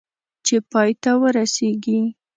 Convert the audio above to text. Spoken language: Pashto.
چې پای ته ورسېږي .